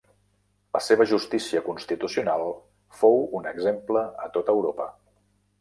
La seva justícia constitucional fou un exemple a tot Europa.